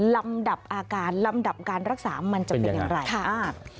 ลำดับอาการลำดับการรักษามันจะเป็นอย่างไร